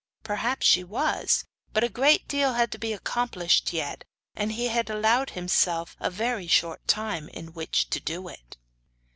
Perhaps she was; but a great deal had to be accomplished yet, and he had allowed himself a very short time in which to do it.